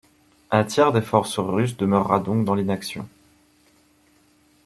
Un tiers des forces russes demeura donc dans l’inaction.